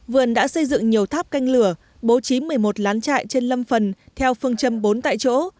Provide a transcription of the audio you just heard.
vườn đã xây dựng nhiều tháp canh lửa bố trí một mươi một lán trại trên lâm phần theo phương châm bốn tại chỗ